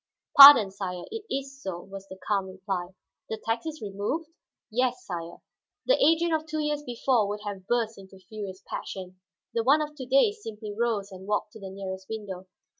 "Pardon, sire; it is so," was the calm reply. "The tax is removed?" "Yes, sire." The Adrian of two years before would have burst into furious passion; the one of to day simply rose and walked to the nearest window.